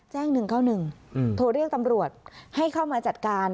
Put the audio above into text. ๑๙๑โทรเรียกตำรวจให้เข้ามาจัดการ